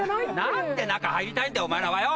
何で中入りたいんだお前らはよ！